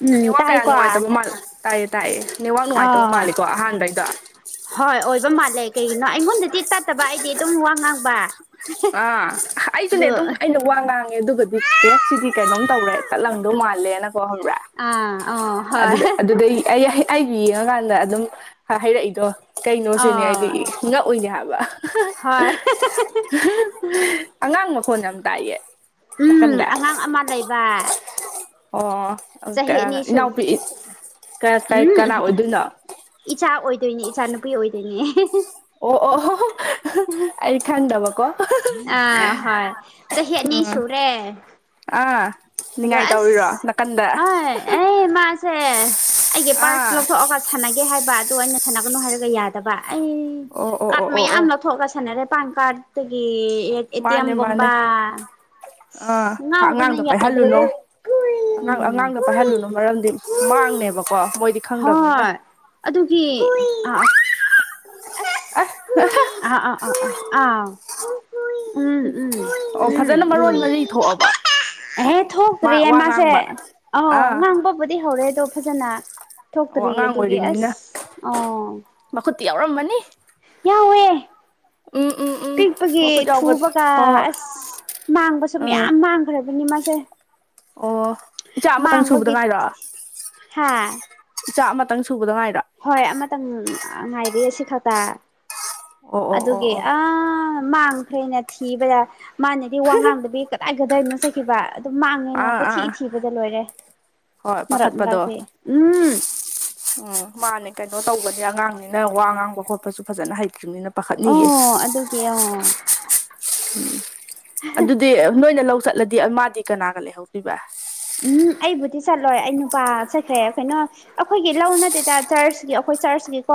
ꯎꯝ network ꯀꯌꯥ ꯇꯥꯏꯀꯣ ꯅꯨꯡꯉꯥꯏꯇꯕ ꯃꯥꯜ ꯇꯥꯏꯌꯦ ꯇꯥꯏꯌꯦ ꯅꯦꯠꯋꯥꯛ ꯅꯨꯡꯉꯥꯏꯇꯕ ꯑꯥ ꯃꯥꯜꯂꯦꯀꯣ ꯑꯍꯥꯟꯕꯩꯗꯣ ꯍꯣꯏ ꯑꯣꯏꯕ ꯃꯥꯜꯂꯦ ꯀꯩꯒꯤꯅꯣ ꯑꯩꯉꯣꯟꯗꯗꯤ ꯇꯥꯠꯇꯕ ꯑꯩꯗꯤ ꯑꯗꯨꯝ ꯋꯥ ꯉꯥꯡꯕ ꯑ ꯑꯩꯁꯨꯅꯦ ꯑꯗꯣ ꯑꯗꯨꯝ ꯑꯩꯅ ꯋꯥ ꯉꯥꯡꯉꯦ ꯑꯗꯨꯒꯗꯤ ꯑꯦ ꯁꯤꯗꯤ ꯀꯩꯅꯣꯝ ꯇꯧꯔꯦ ꯇꯠꯂꯝꯗꯧ ꯃꯥꯜꯂꯦꯅꯀꯣ ꯍꯪꯕ꯭ꯔꯥ ꯑꯥ ꯑꯣ ꯍꯣꯏ ꯑꯗꯨꯗ ꯑꯗꯨꯗꯩ ꯑꯩ ꯑꯩꯒꯤ ꯌꯦꯡꯉꯀꯥꯟꯗ ꯑꯗꯨꯝ ꯍꯥꯏꯔꯛꯏꯗꯣ ꯀꯩꯅꯣꯁꯨꯅꯦ ꯑꯩꯗꯤ ꯑꯣ ꯉꯛꯎꯏꯅꯦ ꯍꯥꯏꯕ ꯍꯣꯏ ꯑꯉꯥꯡ ꯃꯈꯣꯟ ꯌꯥꯝ ꯇꯥꯏꯌꯦ ꯎꯝ ꯅꯥꯀꯟꯗ ꯑꯉꯥꯡ ꯑꯃ ꯂꯩꯕ ꯑꯣ ꯆꯍꯤ ꯀ ꯑꯅꯤ ꯁꯨ ꯏꯅꯥꯎꯄꯤ ꯀ ꯀꯩ ꯎꯝ ꯀꯅꯥ ꯑꯣꯏꯗꯣꯏꯅꯣ ꯏꯆꯥ ꯑꯣꯏꯗꯣꯏꯅꯦ ꯏꯆꯥꯅꯨꯄꯤ ꯑꯣꯏꯗꯣꯏꯅꯦ ꯑꯣ ꯑꯣ ꯑꯩ ꯈꯥꯟꯗꯕꯀꯣ ꯑꯥ ꯍꯣꯏ ꯆꯍꯤ ꯑꯅꯤ ꯎꯝ ꯁꯨꯔꯦ ꯑꯥ ꯑꯗꯣ ꯉꯥꯏ ꯇꯧꯔꯤꯔꯣ ꯑꯁ ꯅꯥꯀꯟꯗ ꯍꯣꯏ ꯑꯩ ꯃꯥꯁꯦ ꯑꯩꯒꯤ ꯄꯥꯔꯁ ꯑꯥ ꯂꯧꯊꯣꯛꯑꯒ ꯁꯥꯟꯅꯒꯦ ꯍꯥꯏꯕ ꯑꯗꯣ ꯑꯩꯅ ꯁꯥꯟꯅꯒꯅꯨ ꯍꯥꯏꯔꯒ ꯌꯥꯗꯕ ꯑꯩ ꯑꯣ ꯑꯣ ꯀꯥꯔꯠ ꯑꯣ ꯑꯣ ꯃꯌꯥꯝ ꯑꯣ ꯂꯧ ꯊꯣꯛꯑꯂꯒ ꯁꯥꯟꯅꯔꯦ ꯄꯥꯟ ꯀꯥꯔꯗꯒꯤ ꯃꯥꯅꯦ ꯑꯦꯇꯤꯑꯦꯝꯒꯨꯝꯕ ꯃꯥꯅꯦ ꯑꯥ ꯉꯥꯎꯕꯗ ꯑꯉꯥꯡꯗ ꯌꯥꯗ꯭ꯔꯦꯗ ꯄꯥꯏꯍꯜꯂꯨꯅꯣ ꯑꯉꯥꯡ ꯎꯝ ꯑꯉꯥꯡꯗ ꯄꯥꯏꯍꯜꯂꯨꯅꯨ ꯃꯔꯝꯗꯤ ꯃꯥꯡꯅꯦꯕꯀꯣ ꯃꯣꯏꯗꯤ ꯈꯪꯗꯕꯅꯤꯅ ꯍꯣꯏ ꯑꯗꯨꯒꯤ ꯑꯁ ꯑꯁ ꯑꯍ ꯑꯥ ꯑꯥ ꯑꯥ ꯑ ꯑꯥ ꯎꯝ ꯎꯝ ꯑꯣ ꯎꯝ ꯐꯖꯅ ꯎꯝ ꯃꯔꯣꯟ ꯃꯔꯤ ꯊꯣꯛꯑꯕꯣ ꯑꯦꯍꯦ ꯊꯣꯛꯇ꯭ꯔꯤꯌꯦ ꯃꯥꯁꯦ ꯑꯧ ꯑꯥ ꯉꯥꯡꯕꯕꯨꯗꯤ ꯍꯧꯔꯦꯗꯣ ꯐꯖꯅ ꯑꯣ ꯊꯣꯛꯇ꯭ꯔꯤꯌꯦ ꯑꯉꯥꯡ ꯑꯗꯨꯒꯤ ꯑꯣꯏꯔꯤꯕꯅꯤꯅ ꯑꯁ ꯑ ꯃꯈꯨꯠꯇꯤ ꯌꯥꯎꯔꯝꯃꯅꯤ ꯌꯥꯎꯋꯦ ꯎꯝ ꯎꯝ ꯎꯝ ꯄꯤꯛꯄꯒꯤ ꯃꯈꯨꯠ ꯌꯥꯎꯕ ꯊꯨꯕꯒ ꯍꯣꯏ ꯍꯣꯏ ꯑꯁ ꯃꯥꯡꯕꯁꯨ ꯎꯝ ꯃꯌꯥꯝ ꯃꯥꯡꯈ꯭ꯔꯕꯅꯤ ꯃꯥꯁꯦ ꯑꯣ ꯏꯆꯥ ꯑꯃꯇꯪ ꯁꯨꯕꯗ ꯃꯥꯡꯕꯒꯤ ꯉꯥꯏꯔꯣ ꯍꯥ ꯏꯆꯥ ꯑꯃꯇꯪ ꯁꯨꯕꯗ ꯉꯥꯏꯔ ꯍꯣꯏ ꯑꯃꯇꯪ ꯉꯥꯏꯔꯤ ꯑꯁꯤ ꯈꯛꯇ ꯑꯣ ꯑꯣ ꯑꯣ ꯑꯗꯨꯒꯤ ꯑꯣ ꯑ ꯃꯥꯡꯈ꯭ꯔꯦꯅ ꯊꯤꯕꯗ ꯃꯥꯅꯗꯤ ꯋꯥꯉꯥꯡꯗꯕꯤ ꯀꯗꯥꯏ ꯀꯗꯥꯏꯅꯣ ꯆꯠꯈꯤꯕ ꯑꯗꯨꯝ ꯃꯥꯡꯉꯦꯅꯦ ꯑꯥ ꯀꯣꯏꯊꯤ ꯑꯥ ꯊꯤꯕꯗ ꯂꯣꯏꯔꯦ ꯍꯣꯏ ꯃꯔꯛ ꯄꯥꯈꯠꯄꯗꯣ ꯃꯔꯛꯇꯤ ꯎꯝ ꯎꯝ ꯃꯥꯅꯦ ꯀꯩꯅꯣ ꯇꯧꯕꯅꯦ ꯑꯉꯥꯡꯅꯤꯅ ꯋꯥ ꯉꯥꯡꯕ ꯈꯣꯠꯄꯁꯨ ꯐꯖꯅ ꯍꯩꯇ꯭ꯔꯤꯕꯅꯤꯅ ꯄꯥꯈꯠꯅꯤꯌꯦ ꯑꯣ ꯑꯗꯨꯒꯤ [unintelligible] ꯑꯗꯨꯗꯤ ꯅꯣꯏꯅ ꯂꯧ ꯆꯠꯂꯗꯤ ꯃꯥꯗꯤ ꯀꯅꯥꯒ ꯂꯩꯍꯧꯗꯣꯏꯕ ꯎꯝ ꯑꯩꯕꯨꯗꯤ ꯆꯠꯂꯣꯏ ꯑꯩ ꯅꯨꯄꯥ ꯆꯠꯈ꯭ꯔꯦ ꯀꯩꯅꯣ ꯑꯩꯈꯣꯏꯒꯤ ꯂꯧ ꯅꯠꯇꯦꯗ ꯆꯔꯆꯀꯤ ꯑꯩꯈꯣꯏ ꯆꯔꯆꯀꯤꯀꯣ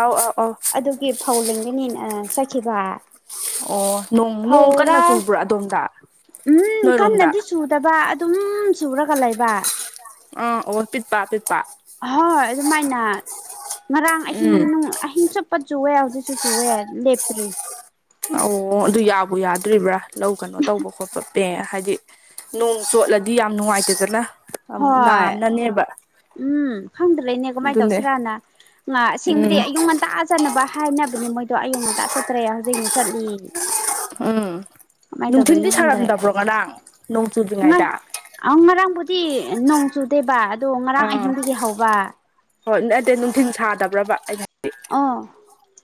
ꯑꯥꯎ ꯑꯥꯎ ꯑꯥꯎ ꯑꯗꯨꯒꯤ ꯐꯧ ꯂꯤꯡꯒꯅꯤꯅ ꯑ ꯆꯠꯈꯤꯕ ꯑꯣ ꯅꯣꯡ ꯅꯣꯡ ꯀꯟꯅ ꯐꯧꯔꯥ ꯆꯨꯕ꯭ꯔꯥ ꯑꯗꯣꯝꯗ ꯎꯝ ꯅꯣꯏꯔꯣꯝꯗ ꯀꯟꯅꯗꯤ ꯆꯨꯗꯕ ꯑꯗꯨꯝ ꯆꯨꯔꯒ ꯂꯩꯕ ꯑ ꯑꯣ ꯄꯤꯠꯄꯥ ꯄꯤꯠꯄꯥ ꯍꯣꯏ ꯑꯗꯨꯃꯥꯏꯅ ꯉꯔꯥꯡ ꯑꯍꯤꯡ ꯎꯝ ꯅꯨꯡ ꯑꯍꯤꯡ ꯆꯨꯞꯄ ꯆꯨꯋꯦ ꯍꯧꯖꯤꯛꯁꯨ ꯆꯨꯋꯦ ꯂꯦꯞꯇ꯭ꯔꯤ ꯑꯧꯑꯣ ꯑꯗꯨ ꯌꯥꯕꯨ ꯌꯥꯗ꯭ꯔꯤꯕ꯭ꯔꯥ ꯂꯧ ꯀꯩꯅꯣ ꯇꯧꯕ ꯈꯣꯠꯄ ꯄꯦ ꯍꯥꯏꯗꯤ ꯅꯣꯡ ꯆꯣꯠꯂꯗꯤ ꯌꯥꯝ ꯅꯨꯡꯉꯥꯏꯇꯦꯗꯅ ꯑꯃꯨꯛ ꯍꯣꯏ ꯅꯥꯟꯅꯅꯦꯕ ꯎꯝ ꯈꯪꯗ꯭ꯔꯅꯦ ꯀꯃꯥꯏꯅ ꯑꯗꯨꯅꯦ ꯇꯧꯁꯤꯔꯥꯅ ꯉꯥ ꯑꯁꯦꯡꯕꯗꯤ ꯎꯝ ꯑꯌꯨꯛ ꯉꯟ ꯇꯥ ꯆꯠꯅꯕ ꯍꯥꯏꯅꯕꯅꯤ ꯃꯣꯏꯗꯣ ꯑꯌꯨꯛ ꯉꯟꯇꯥ ꯆꯠꯇ꯭ꯔꯦ ꯍꯧꯖꯤꯛꯅ ꯆꯠꯂꯤ ꯎꯝ ꯀꯃꯥꯏꯅ ꯅꯨꯡꯊꯤꯟꯗꯤ ꯇꯧꯗꯣꯏꯅꯣ ꯈꯪꯗ꯭ꯔꯦ ꯁꯥꯔꯝꯗꯕ꯭ꯔꯣ ꯉꯔꯥꯡ ꯅꯣꯡ ꯆꯨꯗ꯭ꯔꯤꯉꯩꯗ ꯑꯪ ꯉꯔꯥꯡꯕꯨꯗꯤ ꯅꯣꯡ ꯆꯨꯗꯦꯕ ꯑꯗꯣ ꯉꯔꯥꯡ ꯑꯥ ꯑꯍꯤꯡꯗꯒꯤ ꯍꯧꯕ ꯍꯣꯏ ꯅꯠꯇꯦ ꯅꯨꯡꯊꯤꯟ ꯁꯥꯗꯕ꯭ꯔꯕ ꯑꯩꯩꯅ ꯍꯥꯏꯗꯤ ꯑꯣ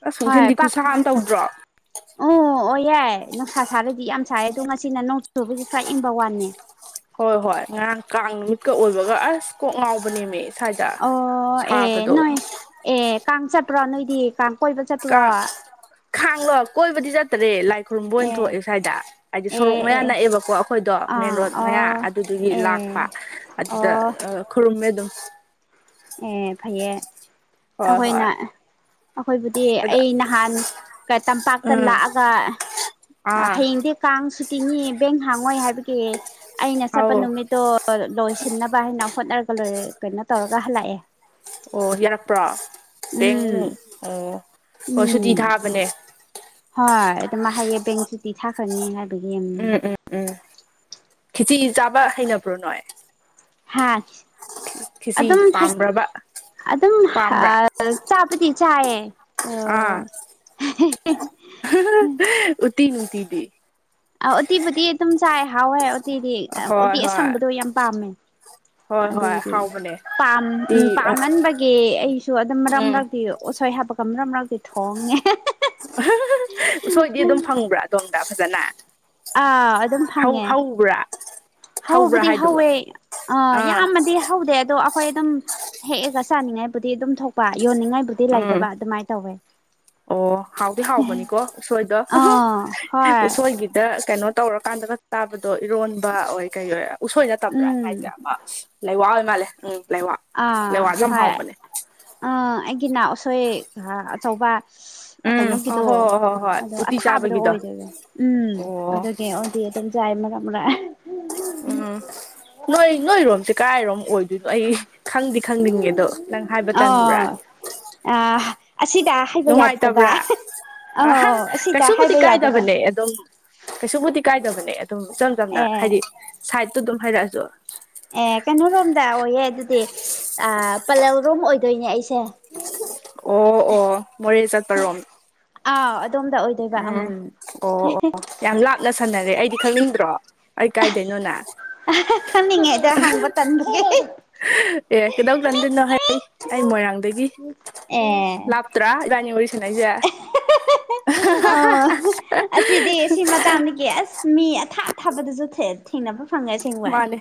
ꯑꯁ ꯅꯨꯡꯊꯤꯟꯗꯤ ꯈꯨꯠꯁꯥ ꯑꯃ ꯇꯧꯗ꯭ꯔꯣ ꯎ ꯑꯣꯏꯌꯦ ꯅꯨꯡꯁꯥ ꯁꯥꯔꯗꯤ ꯌꯥꯝ ꯁꯥꯏꯌꯦ ꯑꯗꯣ ꯉꯁꯤꯅ ꯅꯣꯡ ꯆꯨꯕꯒꯤ ꯈꯔ ꯏꯪꯕ ꯋꯥꯅꯦ ꯍꯣꯏ ꯍꯣꯏ ꯉꯔꯥꯡ ꯀꯥꯡ ꯅꯨꯃꯤꯠꯀ ꯑꯣꯏꯕꯒ ꯑꯁ ꯀꯣꯛ ꯉꯥꯎꯕꯅꯦꯃꯦ ꯁ꯭ꯋꯥꯏꯗ ꯑꯣ ꯑꯦ ꯁꯥꯕꯗꯣ ꯅꯣꯏ ꯑꯦ ꯀꯥꯡ ꯆꯠꯄ꯭ꯔꯣ ꯅꯣꯏꯗꯤ ꯀꯥꯡ ꯀꯣꯏꯕ ꯆꯠꯄ꯭ꯔꯣ ꯀꯥꯡ ꯀꯥꯡꯂꯣ ꯀꯣꯏꯕꯗꯤ ꯆꯠꯇꯔꯦ ꯂꯥꯏ ꯈꯨꯔꯨꯝꯕ ꯑꯣꯏꯅ ꯑꯦ ꯊꯣꯛꯑꯦ ꯁ꯭ꯋꯥꯏꯗ ꯍꯥꯏꯗꯤ ꯑꯦ ꯁꯣꯔꯣꯛ ꯑꯦ ꯃꯌꯥ ꯑꯦ ꯅꯛꯑꯦꯕꯀꯣ ꯑꯩꯈꯣꯏꯗꯣ ꯃꯦꯟ ꯑꯥ ꯔꯣꯗ ꯃꯌꯥ ꯑꯣ ꯑꯗꯨꯗꯨꯒꯤ ꯑꯦ ꯂꯥꯛꯄ ꯑꯗꯨꯗ ꯑꯣ ꯑ ꯈꯨꯔꯨꯝꯃꯦ ꯑꯗꯨꯝ ꯑꯦ ꯐꯩꯌꯦ ꯍꯣꯏ ꯑꯩꯈꯣꯏꯅ ꯍꯣꯏ ꯑꯩꯈꯣꯏꯕꯨꯗꯤ ꯑꯗ ꯑꯩ ꯅꯍꯥꯟ ꯇꯝꯄꯥꯛꯇ ꯎꯝ ꯂꯥꯛꯑꯒ ꯑꯥ ꯍꯌꯦꯡꯗꯤ ꯀꯥꯡ ꯁꯨꯇꯤꯅꯤ ꯕꯦꯡ ꯍꯥꯡꯉꯣꯏ ꯍꯥꯏꯕꯒꯤ ꯑꯩꯅ ꯆꯠꯄ ꯑꯧ ꯅꯨꯃꯤꯠꯇꯣ ꯂꯣꯏꯁꯤꯟꯅꯕ ꯍꯥꯏꯅ ꯍꯣꯠꯅꯔꯒ ꯂꯣꯏ ꯀꯩꯅꯣ ꯇꯧꯔꯒ ꯍꯜꯂꯛꯑꯦ ꯑꯣ ꯌꯥꯔꯛꯄ꯭ꯔꯣ ꯕꯦꯡꯅꯨꯡ ꯎꯝ ꯑꯣ ꯍꯣꯏ ꯁꯨꯇꯤ ꯎꯝ ꯊꯥꯕꯅꯦ ꯍꯣꯏ ꯑꯗꯨꯃꯥꯏ ꯍꯥꯏꯌꯦ ꯕꯦꯡ ꯆꯇꯤ ꯊꯥꯈ꯭ꯔꯅꯤ ꯍꯥꯏ ꯎꯝ ꯎꯝ ꯎꯝ ꯈꯦꯆꯤ ꯆꯥꯕ ꯍꯩꯅꯕ꯭ꯔꯣ ꯅꯣꯏ ꯍꯥꯥ ꯈꯤꯁꯤ ꯄꯥꯝꯕꯔꯕ ꯑꯗꯨꯝ ꯑ ꯆꯥꯕꯗꯤ ꯆꯥꯏꯌꯦ ꯑ ꯑꯥ [unintelligible] [unintelligible] ꯎꯇꯤ ꯅꯨꯡꯇꯤꯗꯤ ꯑꯧ ꯎꯇꯤꯕꯨꯗꯤ ꯑꯗꯨꯝ ꯆꯥꯏ ꯍꯥꯎꯋꯦ ꯎꯇꯤꯗꯤ ꯑ ꯍꯣꯏ ꯎꯇꯤ ꯍꯣꯏ ꯑꯁꯪꯕꯗꯣ ꯌꯥꯝ ꯄꯥꯝꯃꯦ ꯍꯣꯏ ꯍꯣꯏ ꯑꯗꯨꯕꯨꯗꯤ ꯍꯥꯎꯕꯅꯦ ꯄꯥꯝ ꯎꯇꯤ ꯎꯝ ꯄꯥꯝꯃꯟꯕꯒꯤ ꯑꯩꯁꯨ ꯑꯗꯨꯝ ꯃꯔꯛ ꯎꯝ ꯃꯔꯛ ꯎꯁꯣꯏ ꯍꯥꯄꯒ ꯃꯔꯛ ꯃꯔꯛꯇꯤ ꯊꯣꯡꯉꯦ [unintelligible] [unintelligible] ꯎꯁꯣꯏꯗꯤ ꯑꯗꯨꯝ ꯐꯪꯕ꯭ꯔꯥ ꯑꯗꯣꯝꯗ ꯐꯖꯅ꯫ ꯑꯥ ꯑꯗꯨꯝ ꯐꯪ ꯍꯧ ꯍꯧꯕ꯭ꯔꯥ꯫ ꯍꯧꯕ꯭ꯔꯥ ꯍꯧꯕꯗꯤ ꯍꯥꯏꯗꯨꯕ ꯍꯧꯋꯦ ꯑ ꯑꯥ ꯌꯥꯝꯃꯗꯤ ꯍꯧꯗꯦ ꯑꯗꯣ ꯑꯩꯈꯣꯏ ꯑꯗꯨꯝ꯫ ꯍꯦꯛꯑꯒ ꯆꯥꯅꯤꯡꯉꯥꯏꯕꯨꯗꯤ ꯑꯗꯨꯝ ꯊꯣꯛꯄ ꯌꯣꯟꯅꯤꯡꯉꯥꯏꯕꯨꯗꯤ ꯎꯝ ꯂꯩꯇꯕ ꯑꯗꯨꯃꯥꯏꯟ ꯇꯧꯋꯦ꯫ ꯑꯣ ꯍꯥꯎꯗꯤ ꯍꯥꯎꯕꯅꯤꯀꯣ ꯎꯁꯣꯏꯗꯣ ꯑꯍꯥ ꯑꯥ ꯍꯣꯏ ꯎꯁꯣꯏꯒꯤꯗ ꯀꯩꯅꯣ ꯇꯧꯔꯀꯥꯟꯗꯒ ꯇꯥꯕꯗꯣ ꯏꯔꯣꯟꯕ ꯑꯣꯏ ꯀꯩ ꯑꯣꯏ ꯎꯁꯣꯏ ꯅꯠꯇꯕ꯭ꯔꯥ ꯎꯝ ꯍꯥꯏꯁꯦ ꯑꯃ ꯂꯥꯢꯋꯥ ꯑꯣꯏ ꯃꯥꯜꯂꯦ ꯎꯝ ꯂꯥꯢꯋꯥ꯫ ꯑꯥ ꯍꯣꯏ ꯑꯥ ꯑꯩꯒꯤ ꯅ ꯎꯁꯣꯏ ꯑꯆꯧꯕ꯫ ꯎꯝ ꯑ ꯀꯩꯅꯣꯒꯤꯗꯣ ꯍꯣꯏ ꯍꯣꯏ ꯍꯣꯏ ꯍꯣꯏ ꯑꯗꯣ ꯎꯇꯤ ꯑꯊꯥꯕꯗꯣ ꯆꯥꯕꯒꯤꯗꯣ ꯑꯣꯏꯗꯣꯏꯕ ꯎꯝ ꯑꯣ ꯑꯗꯨꯒꯤ ꯑꯣꯏꯗꯤ ꯇꯨꯝ ꯆꯥꯏ ꯃꯔꯛ ꯃꯔꯛ꯫ ꯎꯝ ꯅꯣꯏ ꯅꯣꯏꯔꯣꯝꯁꯦ ꯀꯔꯥꯏꯔꯣꯝ ꯑꯣꯏꯗꯣꯏꯅꯣ ꯑꯩ ꯈꯪꯗꯤ ꯈꯪꯅꯤꯡꯉꯦꯗꯣ ꯅꯪ ꯍꯥꯏꯕ ꯑꯥ ꯇꯟꯕ꯭ꯔꯥ꯫ ꯑ ꯑꯁꯤꯗ꯫ ꯍꯥꯏꯕ ꯌꯥꯗꯕ ꯅꯨꯡꯉꯥꯏꯇꯕ꯭ꯔꯥ ꯑꯍꯥ ꯑꯧ ꯑꯁꯤꯗ ꯀꯩꯁꯨꯕꯨꯗꯤ ꯍꯥꯏꯕ ꯌꯥꯗꯕ ꯀꯥꯏꯗꯕꯅꯦ ꯑꯗꯨꯝ꯫ ꯀꯩꯁꯨꯕꯨꯗꯤ ꯀꯥꯏꯗꯕꯅꯦ ꯑꯗꯨꯝ ꯏꯆꯝ ꯆꯝꯅ ꯍꯥꯏꯗꯤ ꯑꯦ ꯁꯥꯏꯗꯠꯇ ꯑꯗꯨꯝ ꯍꯥꯏꯔꯛꯑꯁꯨ꯫ ꯑꯦ ꯀꯩꯅꯣꯔꯣꯝꯗ ꯑꯣꯏꯌꯦ ꯑꯗꯨꯗꯤ ꯑ ꯄꯂꯦꯜ ꯔꯣꯝ ꯑꯣꯏꯗꯨꯏꯅꯦ ꯑꯩꯁꯦ꯫ ꯑꯣ ꯑꯣ ꯃꯣꯔꯦ ꯆꯠꯄꯔꯣꯝ꯫ ꯑꯥꯎ ꯑꯗꯣꯝꯗ ꯑꯣꯏꯗꯣꯏꯕ ꯎꯝ ꯍꯦ ꯑꯣ ꯍꯦ꯫ ꯑꯣ ꯌꯥꯝ ꯂꯥꯞꯅ ꯁꯥꯟꯅꯔꯦ ꯑꯩꯗꯤ ꯈꯪꯅꯤꯡꯗ꯭ꯔꯣ ꯑꯩ ꯀꯥꯏꯗꯩꯅꯣꯅꯦ꯫ ꯑꯍꯥ ꯈꯪꯅꯤꯡꯉꯦ ꯑꯗꯣ ꯍꯪꯕ ꯇꯟꯕꯒꯦ ꯍꯦ ꯑꯦ ꯀꯩꯗꯧ ꯇꯟꯗꯣꯏꯅꯣ ꯍꯩ ꯑꯩ ꯃꯣꯏꯔꯥꯡꯗꯒꯤ ꯂꯥꯞ ꯇ꯭ꯔꯥ ꯏꯕꯥꯅꯤ ꯋꯥꯔꯤ ꯁꯥꯅꯩꯖꯦ꯫ [unintelligible] ꯑꯣ ꯑꯁꯤꯗꯤ ꯁꯤ ꯃꯇꯥꯡꯗꯒꯤ ꯑꯁ꯫ ꯃꯤ ꯑꯊꯥꯞ ꯑꯊꯥꯞꯄꯗꯁꯨ ꯊꯦꯠ ꯊꯦꯡꯅꯕ ꯐꯪꯉꯦ ꯑꯁꯦꯡ ꯃꯥꯅꯦ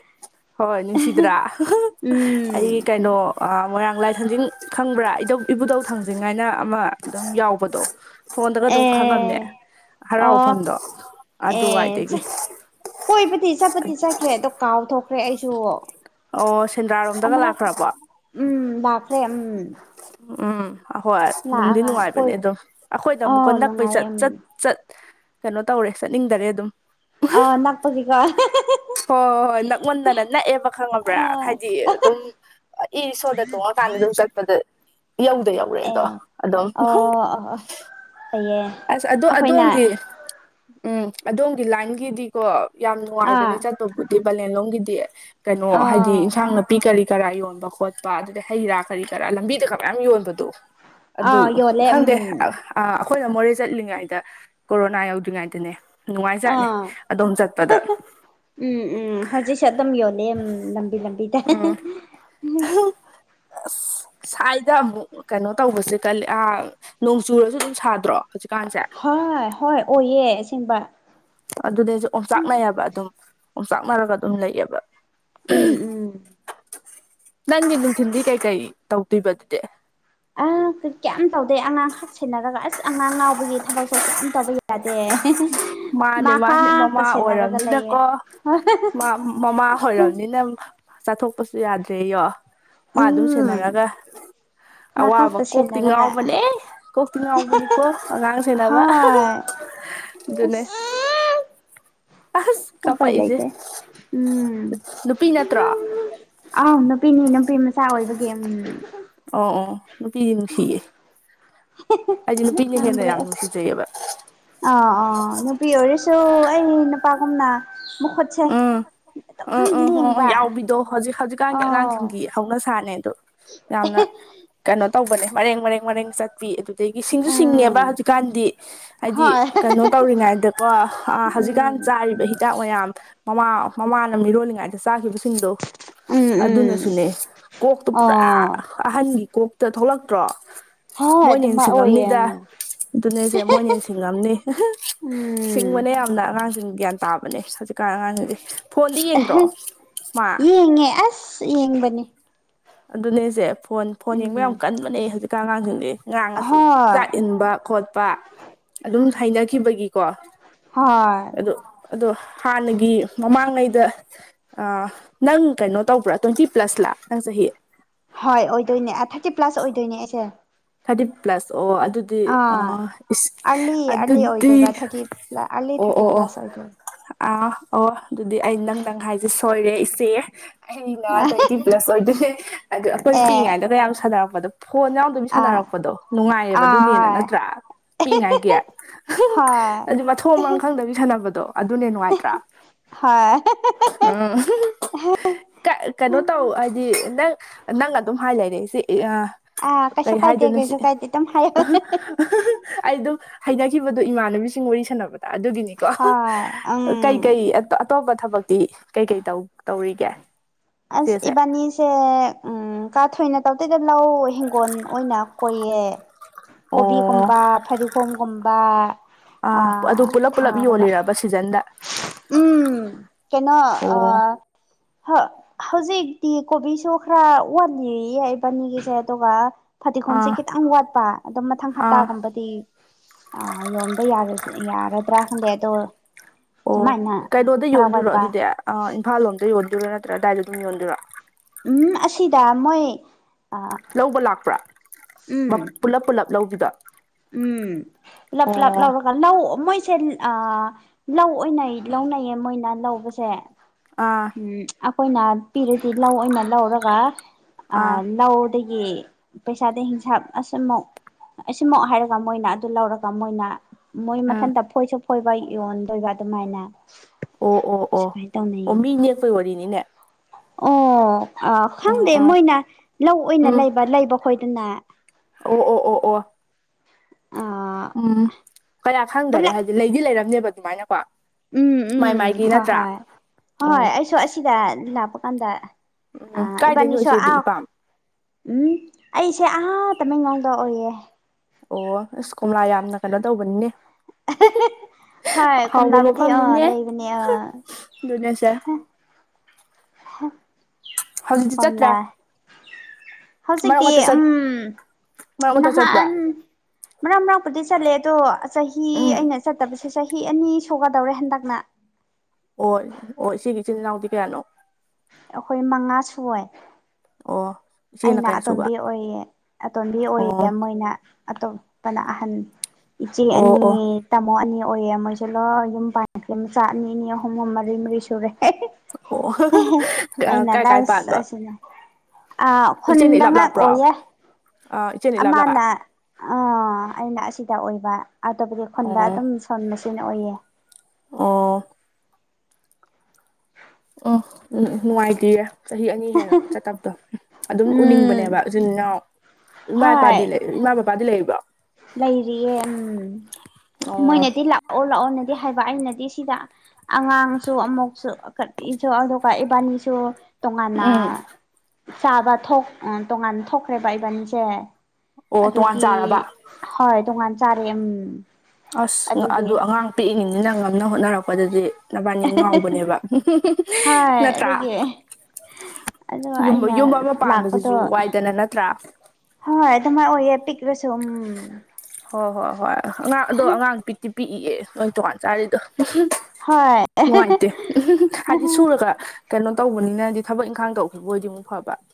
ꯍꯣꯏ ꯅꯨꯡꯁꯤꯗ꯭ꯔꯥ [unintelligible] ꯑꯩ ꯎꯝ ꯀꯩꯅꯣ ꯑ ꯃꯣꯏꯔꯥꯡ ꯂꯥꯏ ꯊꯥꯡꯖꯤꯡ ꯈꯪꯕ꯭ꯔꯥ ꯏꯙꯧ ꯏꯕꯨꯙꯧ ꯊꯥꯡꯖꯤꯡ ꯍꯥꯏꯅ ꯑꯃ ꯑꯗꯨꯝ ꯌꯥꯎꯕꯗꯣ꯫ ꯐꯣꯟꯗꯒ ꯑꯗꯨꯝ ꯈꯪꯉꯝꯅꯦ ꯑꯦ ꯑꯣ ꯍꯔꯥꯎꯐꯝꯗꯣ ꯑꯦ ꯑꯗꯨꯋꯥꯏꯗꯒꯤ꯫ ꯀꯣꯏꯕꯗꯤ ꯆꯠꯄꯗꯤ ꯆꯠꯈ꯭ꯔꯦ ꯑꯗꯣ ꯀꯥꯎꯊꯣꯛꯈ꯭ꯔꯦ ꯑꯩꯁꯨ꯫ ꯑꯣ ꯁꯦꯟꯗ꯭ꯔꯥ ꯔꯣꯝꯗꯒ ꯑꯃꯔꯛ ꯂꯥꯛꯈ꯭ꯔꯕꯣ꯫ ꯎꯝ ꯂꯥꯛ꯭꯭꯭꯭ꯈ꯭ꯔꯦ ꯎꯝ꯫ ꯎꯝ ꯑꯍꯣꯏ ꯅꯨꯡꯗꯤ ꯂꯥꯛꯑꯒ ꯅꯨꯡꯉꯥꯏꯕꯅꯦ ꯀꯣꯏ ꯑꯗꯣ ꯑꯩꯈꯣꯏꯗ ꯑ ꯑꯃꯨꯛꯀ ꯅꯛꯄꯩ ꯆꯠ ꯅꯨꯡꯉꯥꯏꯌꯦ ꯎꯝ ꯆꯠ ꯆꯠ ꯀꯩꯅꯣ ꯇꯧꯔꯦ ꯆꯠꯅꯤꯡꯗꯔꯦ ꯑꯗꯨꯝ꯫ ꯑ ꯅꯥꯥꯛꯄꯒꯤꯀꯣ [unintelligible] ꯍꯣꯏ ꯍꯣꯏ ꯍꯣꯏ ꯅꯛꯃꯟꯗꯅ ꯅꯛꯑꯦꯕ ꯈꯪꯉꯕ꯭ꯔꯥ ꯍꯥꯏꯗꯤ ꯑꯗꯨꯝ ꯏꯁꯣꯗ ꯇꯣꯡꯉꯀꯥꯟꯗ ꯑꯗꯨꯝ ꯆꯠ ꯄꯗ ꯏꯌꯧꯗ ꯌꯧꯔꯦꯗꯣ ꯑꯗꯨꯝ꯫ ꯑꯥꯍ ꯍꯌꯦꯡ ꯑꯁ ꯑꯗꯣ ꯑꯗꯣꯝꯒꯤ ꯎꯝ ꯑꯗꯣꯝꯒꯤ ꯂꯥꯏꯟꯒꯤꯗꯤ ꯀꯣ ꯌꯥꯝ ꯑꯥ ꯅꯨꯡꯉꯥꯏꯕꯅꯦ ꯆꯠꯄꯕꯨꯗꯤ ꯄꯥꯂꯦꯟꯂꯣꯝꯒꯤꯗꯤ ꯀꯩꯅꯣ ꯍꯥꯏꯗꯤ ꯑꯥ ꯏꯟꯁꯥꯡꯅ ꯅꯥꯄꯤ ꯀꯔꯤ ꯀꯔꯥ ꯌꯣꯟꯕ ꯈꯣꯠꯄ ꯑꯗꯨꯗ ꯍꯩ ꯔꯥ ꯀꯔꯤ ꯀꯔꯥ ꯂꯝꯕꯤꯗꯒ ꯃꯌꯥꯝ ꯌꯣꯟꯕꯗꯣ꯫ ꯑꯗꯨ ꯑꯥ ꯌꯣꯜꯂꯦ ꯎꯝ ꯈꯪꯗꯦ ꯑ ꯑ ꯑꯈꯣꯏꯅ ꯃꯣꯔꯦ ꯆꯠꯂꯤꯉꯩꯗ ꯀꯣꯔꯣꯅꯥ ꯌꯧꯗ꯭ꯔꯤꯉꯥꯢꯗꯅꯦ꯫ ꯖꯥꯠꯅꯤ ꯑꯥ ꯑꯗꯣꯝ ꯆꯠꯄꯗ꯫ ꯎꯝ ꯎꯝ ꯍꯧꯖꯤꯛꯁꯨ ꯑꯗꯨꯝ ꯌꯣꯜꯂꯦ ꯂꯝꯕꯤ ꯂꯝꯕꯤꯗ ꯍꯥ ꯍꯥ [unintelligible] ꯑꯁ ꯁꯥꯏꯗ ꯑꯃꯨꯛ ꯀꯩꯅꯣ ꯇꯧꯕꯁꯦ ꯀꯜꯂꯤ ꯑ ꯅꯣꯡꯆꯨꯔꯁꯨ ꯑꯗꯨꯝ ꯁꯥꯗ꯭ꯔꯣ꯫ ꯍꯨꯖꯤꯛꯀꯥꯟꯁꯦ꯫ ꯍꯣꯏ ꯍꯣꯏ ꯑꯣꯏꯌꯦ ꯑꯁꯤꯡꯕ꯫ ꯑꯗꯨꯗꯤ ꯑꯩꯁꯨ ꯑꯣꯝꯆꯥꯛꯅꯩ ꯍꯥꯏꯕ ꯑꯗꯨꯝ ꯑꯣꯝꯆꯥꯛꯅꯔꯒ ꯑꯗꯨꯝ ꯂꯩꯑꯕ ꯎꯝ ꯎꯝ ꯅꯪꯒꯤ ꯅꯨꯡꯊꯤꯜꯗꯤ ꯀꯩꯀꯩ ꯇꯧꯗꯣꯏꯕ ꯑꯗꯨꯗꯤ ꯑ ꯀꯌꯥꯝ ꯇꯧꯗꯦ ꯑꯉꯥꯡꯈꯛ ꯁꯦꯟꯅꯔꯒ ꯑꯁ ꯑꯉꯥꯡ ꯉꯥꯎꯕꯒꯤ ꯊꯕꯛꯁꯨ ꯀꯌꯥꯝ ꯇꯧꯕ ꯌꯥꯗꯦ ꯃꯥꯅꯦ ꯃꯥ ꯃꯥꯅꯦ ꯃꯃꯥ ꯈꯛꯇ ꯁꯦꯟꯅꯔꯒ ꯂꯩꯌꯦ ꯑꯣꯏꯔꯝꯅꯤꯅꯀꯣ ꯍꯣꯏ ꯃꯃꯥ ꯑꯣꯏꯔꯝꯅꯤꯅ ꯆꯥꯊꯣꯛꯄꯁꯨ ꯌꯥꯗ꯭ꯔꯦ ꯌꯣ ꯃꯥ ꯑꯗꯨꯝ ꯎꯝ ꯁꯦꯟꯅꯔꯒ ꯃꯥ ꯑꯋꯥꯕ ꯈꯛꯇ ꯀꯣꯛꯇꯤ ꯁꯦꯟꯅꯔꯒ ꯉꯥꯎꯕꯅꯦ ꯀꯣꯛꯇꯤ ꯉꯥꯎꯕꯅꯤꯀꯣ ꯑꯉꯥꯡ ꯁꯦꯅꯕ ꯍꯣꯏ ꯑꯗꯨꯅꯦ ꯑꯁ ꯑꯁ ꯎꯄꯥꯏ ꯀꯥꯄꯛꯏꯁꯦ ꯂꯩꯇꯦ ꯎꯝ ꯅꯨꯄꯤ ꯅꯠꯇ꯭ꯔꯣ ꯑꯥꯎ ꯅꯨꯄꯤꯅꯤ ꯅꯨꯄꯤ ꯃꯆꯥ ꯑꯣꯏꯕꯒꯤꯝ ꯎꯝ ꯑꯣ ꯑꯣ ꯅꯨꯄꯤꯗꯤ ꯅꯨꯡꯁꯤꯌꯦ ꯑꯩꯗꯤ ꯅꯨꯄꯤꯅ ꯍꯦꯟꯅ ꯌꯥꯝ ꯅꯨꯡꯁꯤꯖꯩꯑꯕ ꯑ ꯑ ꯅꯨꯄꯤ ꯑꯣꯏꯔꯁꯨ ꯑꯩ ꯅꯨꯄꯥꯒꯨꯝꯅ ꯃꯈꯨꯠꯁꯦ ꯑꯗꯨꯝ ꯑꯥ ꯑꯥ ꯍ‌ꯣꯏ ꯂꯦꯡꯕ ꯌꯥꯎꯕꯤꯗꯣ ꯍꯧꯖꯤꯛ ꯍꯧꯖꯤꯛꯀꯥꯟꯒꯤ ꯑꯧ ꯑꯉꯥꯡꯖꯤꯡꯒꯤ ꯍꯧꯅ ꯁꯥꯥꯅꯦ ꯑꯗꯣ ꯌꯥꯝꯅ ꯀꯩꯅꯣ ꯇꯧꯕꯅꯦ ꯃꯔꯦꯡ ꯃꯔꯦꯡ ꯃꯔꯦꯡ ꯆꯠꯄꯤ ꯑꯗꯨ ꯑꯗꯒꯤ ꯁꯤꯡꯖꯨ ꯁꯤꯡꯉ‌ꯦꯕ ꯎꯝ ꯍꯧꯖꯤꯛꯀꯥꯟꯗꯤ ꯍꯥꯏꯗꯤ ꯍꯣꯏ ꯀꯩꯅꯣ ꯇꯧꯔꯤꯉꯩꯗꯀꯣ ꯑ ꯍꯧꯖꯤꯛꯀꯥꯟ ꯎꯝ ꯆꯥꯔꯤꯕ ꯍꯤꯗꯥꯛ ꯃꯌꯥꯝ ꯃꯃꯥ ꯃꯃꯥꯅ ꯃꯤꯔꯣꯜꯂꯤꯉꯥꯏꯗ ꯆꯥꯈꯤꯕꯁꯤꯡꯗꯨ ꯎꯝ ꯎꯝ ꯑꯗꯨꯅꯁꯨꯅꯦ ꯀꯣꯛꯇꯨ ꯄꯨꯔꯥ ꯑꯣ ꯑꯍꯟꯒꯤ ꯀꯣꯛꯇ ꯊꯣꯛꯂꯛꯇ꯭ꯔꯣ ꯍꯣꯏ ꯃꯣꯏꯅ ꯍ‌ꯦꯟꯅ ꯑꯗꯨꯃꯥꯏ ꯑꯣꯏꯌꯦ ꯁꯤꯡꯉꯝꯅꯤꯗ ꯑꯗꯨꯅꯦꯁꯦ ꯃꯣꯏꯅꯦ ꯁꯤꯡꯉꯝꯅꯤ ꯎꯝ ꯁꯤꯡꯕꯅ ꯌꯥꯝꯅ ꯑꯉꯥꯡꯁꯤꯡ ꯒ꯭ꯌꯥꯟ ꯇꯥꯕꯅꯦ ꯍꯧꯖꯤꯛꯀꯥꯟ ꯑꯉꯥꯡ ꯐꯣꯟꯗꯤ ꯌꯦꯡꯗ꯭ꯔꯣ ꯃꯥ ꯌꯦꯡꯉꯦ ꯑꯁ ꯌꯦꯡꯕꯅꯤ ꯑꯗꯨꯅꯦꯁꯦ ꯐꯣꯟ ꯐꯣꯟ ꯌꯦꯡꯕ ꯌꯥꯝ ꯎꯝ ꯀꯟꯕꯅꯦ ꯍꯧꯖꯤꯛꯀꯥꯟ ꯑꯉꯥꯡꯁꯤꯡꯁ‌ꯦ ꯉꯥꯡꯑꯁꯨ ꯍꯣꯏ ꯆꯥꯛ ꯏꯟꯕ ꯈꯣꯠꯄ ꯑꯗꯨꯝ ꯍꯩꯅꯈꯤꯕꯒꯤꯀꯣ ꯍꯣꯏ ꯑꯗꯨ ꯑꯗꯣ ꯍꯥꯟꯅꯒꯤ ꯃꯃꯥꯡꯉꯩꯗ ꯑ ꯅꯪ ꯀꯩꯅꯣ ꯇꯧꯕ꯭ꯔꯥ ꯇ꯭ꯋꯦꯟꯇꯤ ꯄ꯭ꯂꯁ ꯂ ꯅꯪ ꯆꯍꯤ ꯍꯣꯏ ꯑꯣꯏꯗꯣꯏꯅꯦ ꯑ ꯊꯥꯔꯇꯤ ꯄ꯭ꯂꯁ ꯑꯣꯏꯗꯣꯏꯅꯦ ꯑꯩꯁꯦ ꯊꯥꯔꯇꯤ ꯄ꯭ꯂꯁ ꯑꯣ ꯑꯗꯨ ꯗꯤ ꯑ ꯑꯥ ꯏꯁ‌ ꯑꯥꯔꯂꯤ ꯑꯥꯔꯂꯤ ꯑꯗꯨꯗꯤ ꯑꯣꯏꯗꯣꯏꯕ ꯊꯥꯔꯇꯤ ꯑꯥꯔꯂꯤ ꯑꯣ ꯊꯥꯔꯇꯤ ꯑꯣ ꯑꯣ ꯄ꯭ꯂꯁ ꯑꯣꯏꯗꯣꯏꯕ ꯑꯥ ꯑꯣ ꯑꯗꯨꯗꯤ ꯑꯩ ꯅꯪ ꯅꯪ ꯍꯥꯏꯁꯦ ꯁꯣꯏꯔꯦ ꯏꯆꯦ ꯑꯩꯅ ꯇ꯭ꯋꯦꯟꯇꯤ ꯄ꯭ꯂꯁ ꯑꯣꯏꯗ‌ꯣꯏꯅꯦ ꯑꯗꯨ ꯑꯩꯈꯣꯏꯅ ꯑꯦ ꯄꯤꯛꯏꯉꯩꯗꯒ ꯌꯥꯝ ꯁꯥꯟꯅꯔꯛꯄꯗꯣ ꯐꯣꯟ ꯌꯥꯎꯗꯣꯏ ꯑꯥ ꯁꯥꯟꯅꯔꯛꯄꯗꯣ ꯅꯨꯡꯉꯥꯏꯌꯦꯕ ꯑꯗꯨꯅꯦꯅ ꯑꯥ ꯅꯠꯇ꯭ꯔꯥ ꯄꯤꯛꯏꯉꯥꯏꯒꯤ ꯍꯣꯏ ꯍꯣꯏ ꯑꯗꯨ ꯃꯊꯣꯡ ꯃꯔꯝ ꯈꯪꯗꯕꯤ ꯁꯥꯟꯅꯕꯗꯣ ꯑꯗꯨꯅꯦ ꯅꯨꯡꯉꯥꯏꯇ꯭ꯔꯥ ꯍꯣꯏ ꯎꯝ ꯀ ꯀꯩꯅꯣ ꯇꯧ ꯍꯥꯏꯗꯤ ꯅꯪ ꯅꯪꯅ ꯑꯗꯨꯝ ꯍꯥꯏ ꯂꯩꯔꯦ ꯑꯩꯁꯦ ꯑꯥ ꯑꯥ ꯀꯩꯁꯨ ꯀꯩ ꯀꯥꯏꯗꯦ ꯍꯥꯏꯗꯅꯣ ꯁꯤ ꯀꯩꯁꯨ ꯀꯥꯏꯗꯦ ꯑꯗꯨꯝ ꯍꯥꯏꯌꯣ ꯑꯩꯗꯨꯝ ꯍꯩꯅꯈꯤꯕꯗꯣ ꯏꯃꯥꯟꯅꯕꯤꯁꯤꯡ ꯋꯥꯔꯤ ꯁꯥꯟꯅꯕꯗ ꯑꯗꯨꯒꯤꯅꯤ ꯅꯤꯀꯣ ꯍꯣꯏ ꯎꯝ ꯀꯩꯀꯩ ꯑꯇꯣ ꯑꯇꯣꯞꯄ ꯊꯕꯛꯇꯤ ꯀꯩꯀꯩ ꯇꯧ ꯇꯧꯔꯤꯒꯦ ꯑꯁ ꯏꯆꯦꯁꯦ ꯏꯕꯥꯅꯤꯁꯦ ꯎꯝ ꯀꯥ ꯊꯣꯏꯅ ꯇꯧꯗꯦꯗ ꯂꯧ ꯍꯤꯡꯒꯣꯜ ꯑꯣꯏꯅ ꯀꯣꯏꯌꯦ ꯑꯣ ꯀꯣꯕꯤꯒꯨꯝꯕ ꯐꯗꯤꯒꯣꯝꯒꯨꯝꯕ ꯑꯥ ꯑꯗꯨ ꯄꯨꯂꯞ ꯄꯨꯜꯂꯞ ꯌꯣꯜꯂꯤꯔꯕ ꯁꯤꯖꯟꯗ ꯎꯝ ꯀꯩꯅꯣ ꯑꯣ ꯑ ꯍ ꯍꯧꯖꯤꯛꯇꯤ ꯀꯣꯕꯤꯁꯨ ꯈꯔ ꯋꯥꯠꯂꯤꯌꯦ ꯏꯕꯥꯅꯤꯒꯤꯁꯦ ꯑꯗꯨꯒ ꯐꯗꯤꯒꯣꯝꯁꯦ ꯑꯥ ꯈꯤꯇꯪ ꯋꯥꯠꯄ ꯑꯗꯨꯝ ꯃꯊꯪ ꯑꯥ ꯍꯞꯇꯥꯒꯨꯝꯕꯗꯤ ꯑꯥ ꯌꯣꯟꯕ ꯌꯥꯔ ꯌꯥꯔꯗ꯭ꯔꯥ ꯈꯪꯗꯦ ꯑꯗꯣ ꯑꯣ ꯁꯨꯃꯥꯏꯅ ꯀꯩꯅꯣꯗ ꯈꯔ ꯌꯣꯟꯗꯣꯏꯔꯣ ꯋꯥꯠꯄ ꯑꯗꯨꯗꯤ ꯑ ꯏꯝꯐꯥꯜ ꯂꯣꯝꯗ ꯌꯣꯟꯗꯣꯏꯔꯣ ꯅꯠꯇ꯭ꯔꯒ ꯑꯗꯥꯏꯗ ꯑꯗꯨꯝ ꯌꯣꯟꯗꯣꯏꯔꯣ ꯎꯝ ꯑꯁꯤꯗ ꯃꯣꯏ ꯑ ꯂꯧꯕ ꯂꯥꯛꯄ꯭ꯔꯥ ꯎꯝ ꯄꯨꯂꯞ ꯄꯨꯂꯞ ꯂꯧꯕꯤꯗꯣ ꯎꯝ ꯄꯨꯂꯞ ꯄꯨꯂꯞ ꯑꯣ ꯂꯧ ꯂꯧ ꯃꯣꯏꯁꯦ ꯑ ꯂꯧ ꯑꯣꯏꯅ ꯂꯧꯅꯩꯌꯦ ꯃꯣꯏꯅ ꯂꯧꯕꯁꯦ ꯑꯥ ꯑꯩꯈꯣꯏꯅ ꯄꯤꯔꯗꯤ ꯂꯧ ꯑꯣꯏꯅ ꯂꯧꯔꯒ ꯑ ꯑꯥ ꯂꯧ ꯑꯩꯒꯤ ꯄꯩꯁꯥꯗꯤ ꯍꯤꯡꯁꯥꯞ ꯑꯁꯨꯃꯛ ꯁꯤꯃꯣꯛ ꯍꯥꯏꯔꯒ ꯃꯣꯏꯅ ꯑꯗꯨ ꯂꯧꯔꯒ ꯃꯣꯏꯅ ꯃꯣꯏ ꯎꯝ ꯃꯊꯟꯇ ꯐꯣꯏꯖꯕ ꯐꯣꯏꯕ ꯌꯣꯟꯗꯣꯏꯕ ꯑꯗꯨꯃꯥꯏꯅ ꯑꯣ ꯑꯣ ꯑꯣ ꯁꯨꯃꯥꯏꯅ ꯑꯣ ꯇꯧꯅꯩꯌꯦ ꯃꯤ ꯅꯦꯛꯄꯩ ꯋꯥꯔꯤꯅꯤꯅꯦ ꯑꯣ ꯑ ꯎꯝ ꯈꯪꯗꯦ ꯎꯝ ꯃꯣꯏꯅ ꯂꯧ ꯑꯣꯏꯅ ꯎꯝ ꯂꯩꯕ ꯂꯩꯕ ꯈꯣꯏꯗꯅ ꯑꯣ ꯑꯣ ꯑꯣ ꯑꯣ ꯎꯝ ꯀꯌꯥ ꯈꯪꯗꯔꯦ ꯄꯨꯂꯞ ꯍꯥꯏꯗꯤ ꯂꯩꯗꯤ ꯂꯩꯔꯝꯅꯦꯕ ꯑꯗꯨꯃꯥꯏꯅꯀꯣ ꯎꯝ ꯃꯥꯏ ꯎꯝ ꯃꯥꯏꯒꯤ ꯍꯣ ꯅꯠꯇ꯭ꯔꯥ ꯍꯣꯏ ꯍꯣꯏ ꯎꯝ ꯑꯩꯁꯨ ꯑꯁꯤꯗ ꯂꯥꯛꯄ ꯀꯥꯟꯗ ꯑ ꯎꯝ ꯀꯥꯏꯗꯩꯅꯣ ꯏꯕꯅꯤꯁꯨ ꯑ ꯏꯆꯦꯗꯤ ꯏꯄꯥꯝ ꯎꯝ ꯑꯩꯁꯦ ꯑꯥ ꯇꯃꯦꯡꯂꯣꯡꯗ ꯑꯣꯏꯌꯦ ꯑꯣ ꯑꯁ ꯀꯣꯝꯂꯥ ꯌꯥꯝꯅ ꯀꯩꯅꯣ ꯇꯧꯕꯅꯤꯅꯦ ꯍꯥꯏ ꯍꯥꯎꯕ ꯀꯣꯝꯂꯕꯨꯗꯤ ꯑꯥ ꯃꯐꯝꯅꯤꯅꯦ ꯂꯩꯕꯅꯤ ꯑꯥ ꯑꯗꯨꯅꯦꯁꯦ ꯍ ꯍꯧꯖꯤꯛꯇꯤ ꯆꯠꯇ꯭ꯔꯦ ꯃꯔꯛ ꯍꯧꯖꯤꯛꯇꯤ ꯃꯔꯛꯇ ꯆꯠ ꯎꯝ ꯃꯔꯛ ꯃꯔꯛꯇ ꯆꯠꯄ꯭ꯔꯥ ꯅꯍꯥꯟ ꯃꯔꯛ ꯃꯔꯛꯄꯨꯗꯤ ꯆꯠꯂꯦ ꯑꯗꯣ ꯆꯍꯤ ꯎꯝ ꯑꯩꯅ ꯆꯠꯇꯕꯁꯦ ꯆꯍꯤ ꯑꯅꯤ ꯁꯨꯒꯗꯧꯔꯦ ꯍꯟꯗꯛꯅ ꯑꯣ ꯑꯣ ꯏꯆꯦꯒꯤ ꯏꯆꯤꯜ ꯏꯅꯥꯎꯗꯤ ꯀꯌꯥꯅꯣ ꯑꯩꯈꯣꯏ ꯃꯉꯥ ꯁꯨꯋꯦ ꯑꯣ ꯏꯆꯦꯅ ꯑꯩꯅ ꯀꯌꯥ ꯁꯨꯕ ꯑꯇꯣꯟꯕꯤ ꯑꯣꯏꯌꯦ ꯑꯇꯣꯟꯕꯤ ꯑꯣꯏꯌꯦ ꯑꯣ ꯃꯣꯏꯅ ꯑꯇꯣꯞꯄꯅ ꯑꯍꯟ ꯏꯆꯦ ꯑꯣ ꯑꯅꯤ ꯑꯣ ꯇꯥꯃꯣ ꯑꯅꯤ ꯑꯣꯏꯌꯦ ꯃꯣꯏꯁꯦ ꯂꯣꯏ ꯌꯨꯝ ꯄꯥꯟꯅꯈ꯭ꯔꯦ ꯃꯆꯥ ꯑꯅꯤ ꯑꯅꯤ ꯑꯍꯨꯝ ꯑꯍꯨꯝ ꯃꯔꯤ ꯃꯔꯤ ꯁꯨꯔꯦ ꯑꯣ ꯑꯩꯅ ꯀꯥꯏ ꯀꯥꯏ ꯂꯥꯁ ꯄꯥꯟꯕ ꯑꯁꯤꯅꯦ ꯏꯆꯦꯅ ꯈꯨꯟꯗ ꯏꯂꯥꯞ ꯉꯥꯛ ꯂꯥꯞꯄ꯭ꯔꯣ ꯑꯣꯏꯌꯦ ꯑꯥ ꯏꯆꯦꯅ ꯏꯂꯥꯞ ꯂꯥꯞꯄ ꯑꯃꯅ ꯑꯩꯅ ꯑꯁꯤꯗ ꯑꯣꯏꯕ ꯑꯇꯣꯞꯄꯒꯤ ꯈꯨꯟꯗ ꯑꯣ ꯑꯗꯨꯝ ꯁꯣꯟ ꯃꯦꯆꯟ ꯑꯣꯏꯌꯦ ꯑꯣ ꯎꯝ ꯎꯝ ꯅꯨꯡꯉꯥꯏꯇꯌꯦ ꯆꯍꯤ ꯑꯅꯤ ꯍꯦꯟꯅ ꯆꯠꯇꯕꯗꯣ ꯎꯝ ꯑꯗꯨꯝ ꯎꯅꯤꯡꯕꯅꯦꯕ ꯎꯝ ꯏꯆꯤꯟ ꯏꯅꯥꯎ ꯏꯃꯥ ꯏꯄꯥꯗꯤ ꯍꯣꯏ ꯂꯩ ꯏꯃꯥ ꯕꯕꯥꯗꯤ ꯂꯩꯔꯤꯕ꯭ꯔꯣ ꯂꯩꯔꯤꯌꯦ ꯎꯝ ꯑꯣ ꯃꯣꯏꯅꯗꯤ ꯂꯥꯛꯑꯣ ꯂꯥꯛꯑꯣꯅꯗꯤ ꯍꯥꯏꯕ ꯑꯩꯅꯗꯤ ꯁꯤꯗ ꯑꯉꯥꯡꯁꯨ ꯑꯃꯨꯛꯁꯨ ꯑꯗꯨꯒ ꯏꯕꯥꯅꯤꯁꯨ ꯇꯣꯉꯥꯟꯅ ꯎꯝ ꯆꯥꯕ ꯇꯣꯉꯥꯟꯅ ꯊꯣꯛꯈ꯭ꯔꯦꯕ ꯏꯕꯥ ꯅꯤꯁꯦ ꯑꯣ ꯇꯣꯉꯥꯟ ꯑꯗꯨꯒꯤ ꯆꯥꯔꯕ ꯍꯣꯏ ꯇꯣꯉꯥꯟ ꯆꯥꯔꯦ ꯎꯝ ꯑꯁ ꯑꯗꯨꯒꯤ ꯑꯗꯨ ꯑꯉꯥꯡ ꯄꯤꯛꯏꯅꯤꯅ ꯉꯝꯅ ꯍꯣꯠꯅꯔꯛꯄꯗꯗꯤ ꯅꯕꯥꯅꯤ ꯉꯥꯎꯕꯅꯦꯕ [unintelligible] ꯍꯣꯏ ꯅꯠꯇ꯭ꯔꯥ ꯑꯗꯨꯒꯤ ꯑꯗꯣ ꯌꯨꯝ ꯑꯩꯅ ꯌꯨꯝ ꯑꯃ ꯂꯥꯛꯄꯗꯣ ꯄꯥꯟꯕꯁꯤꯁꯨ ꯋꯥꯏꯗꯅ ꯅꯠꯇ꯭ꯔꯥ ꯍꯣꯏ ꯑꯗꯨꯃꯥꯏ ꯑꯣꯏꯌꯦ ꯄꯤꯛ꯭ꯔꯁꯨ ꯎꯝ ꯍꯣꯏ ꯍꯣꯏ ꯍꯣꯏ ꯑꯉꯥꯡ ꯑꯗꯣ ꯑꯉꯥꯡ ꯄꯤꯛꯇꯤ ꯄꯤꯛꯏꯑ ꯅꯣꯏ ꯇꯣꯉꯥꯟ ꯆꯥꯔꯤꯗꯣ ꯍꯣꯏ ꯅꯨꯡꯉꯥꯏꯇꯦ ꯎꯝ ꯍꯥꯏꯗꯤ ꯁꯨꯔꯒ ꯀꯩꯅꯣ ꯇꯧꯕꯅꯤꯅꯗꯤ ꯊꯕꯛ ꯏꯪꯈꯥꯡ ꯇꯧꯈꯤꯕ ꯑꯣꯏꯗꯤ ꯑꯃꯨꯛ ꯐꯕ